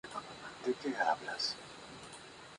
Era jurista y canónigo de la catedral de Sevilla.